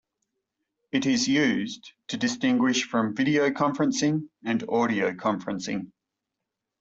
It is used to distinguish from video conferencing and audio conferencing.